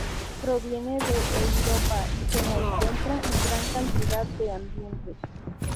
Proviene de Europa y se la encuentra en gran cantidad de ambientes.